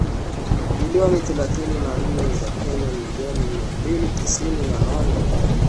bilioni thelathini na nne za Kenya milioni mia mbili tisini na nane